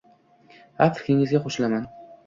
— Ha, fikringizga qoʻshilaman